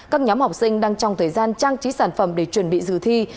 các nhóm học sinh đang trong thời gian trang trí sản phẩm để chuẩn bị dự thi